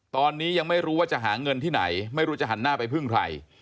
ตอนนี้ยังไม่รู้ว่าจะหาเงินที่ไหนไม่รู้จะหันหน้าไปพึ่งใคร